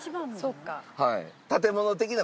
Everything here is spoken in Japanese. そっか。